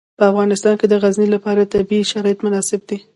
په افغانستان کې د غزني لپاره طبیعي شرایط مناسب دي.